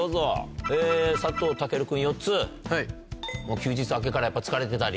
休日明けからやっぱ疲れてたり？